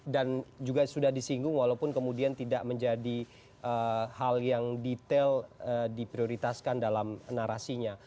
dan juga sudah disinggung walaupun kemudian tidak menjadi hal yang detail diprioritaskan dalam narasinya